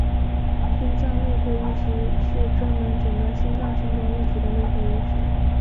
心脏内科医师是专门诊断心脏相关问题的内科医师。